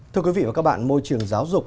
thưa quý vị và các bạn môi trường giáo dục